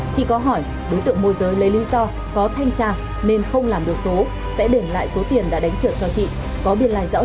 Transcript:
chị có hỏi đối tượng môi giới lấy lý do có thanh tra nên không làm được số sẽ để lại số tiền đã đánh trượng cho chị có biên lai rõ ràng